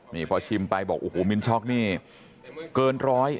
นี่พอชิมไปบอกโอ้โหมินช็อกนี่เกินร้อย